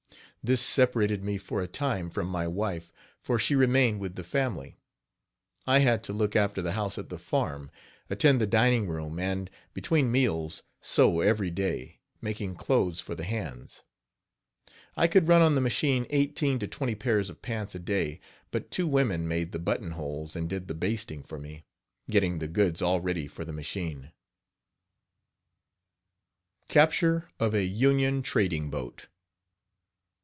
This separated me for a time from my wife, for she remained with the family. I had to look after the house at the farm, attend the dining room, and, between meals, sew every day, making clothes for the hands. I could run on the machine eighteen to twenty pairs of pants a day, but two women made the button holes and did the basting for me, getting the goods all ready for the machine. CAPTURE OF A UNION TRADING BOAT.